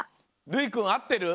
るいくんあってる？